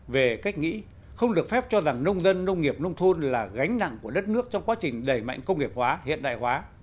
về cách nghĩ không được phép cho rằng nông dân nông nghiệp nông thôn là gánh nặng của đất nước trong quá trình đẩy mạnh công nghiệp hóa hiện đại hóa